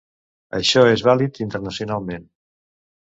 Això és vàlid internacionalment.